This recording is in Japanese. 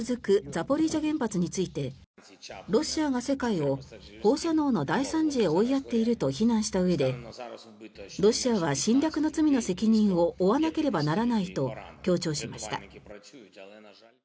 ザポリージャ原発についてロシアが世界を放射能の大惨事へ追いやっていると非難したうえでロシアは侵略の罪の責任を負わなければならないと強調しました。